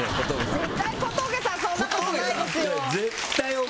絶対、小峠さんそんなことないですよ。